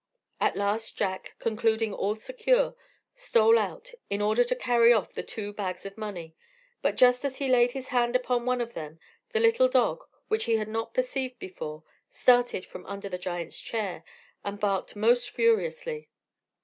At last Jack, concluding all secure, stole out, in order to carry off the two bags of money; but just as he laid his hand upon one of them, the little dog, which he had not perceived before, started from under the giant's chair and barked most furiously.